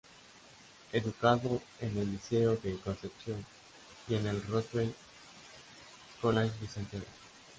Educado en el Liceo de Concepción y en el Roosevelt College de Santiago.